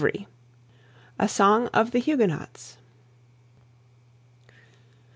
IVRY. A SONG OF THE HUGUENOTS.